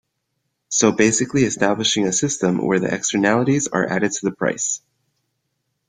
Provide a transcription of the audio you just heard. So basically establishing a system where the externalities are added to the price.